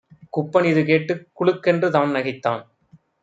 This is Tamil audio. குப்பனிது கேட்டுக் குலுக்கென்று தான்நகைத்தான்.